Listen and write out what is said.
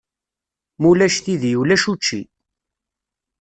Ma ulac tidi ulac učči.